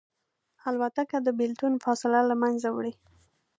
الوتکه د بېلتون فاصله له منځه وړي.